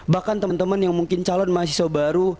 bahkan teman teman yang mungkin calon mahasiswa baru